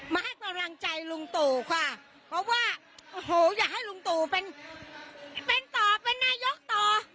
มาให้กำลังใจลุงตู่ค่ะเพราะว่าโอ้โหอยากให้ลุงตู่เป็นต่อเป็นนายกต่อ